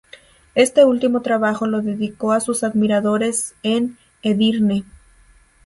Este último trabajo lo dedicó a sus admiradores en Edirne.